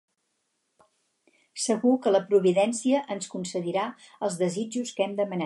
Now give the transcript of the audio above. Segur que la providència ens concedirà els desitjos que hem demanat...